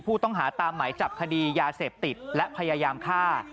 ผู้ต้องหาตามหมายจับคดียาเสพติดและพยายามฆ่า